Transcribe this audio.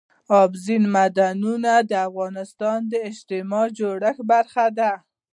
اوبزین معدنونه د افغانستان د اجتماعي جوړښت برخه ده.